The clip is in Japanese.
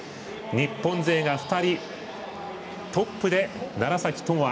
日本勢が２人、トップで楢崎智亜